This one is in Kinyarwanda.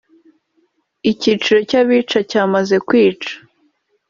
Icyiciro cy’abica cyamaze kwica